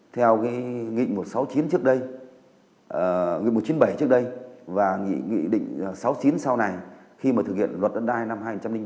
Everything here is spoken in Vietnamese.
theo nghị một trăm sáu mươi chín trước đây nghị một trăm chín mươi bảy trước đây và nghị định sáu trăm chín mươi năm sau này khi thực hiện luật đàn đai năm hai nghìn ba